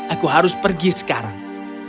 aku harus pergi sekarang